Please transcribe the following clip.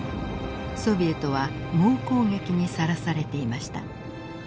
ソビエトは猛攻撃にさらされていました。